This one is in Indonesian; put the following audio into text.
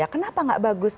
kenapa tidak bagus